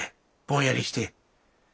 ぼんやりして。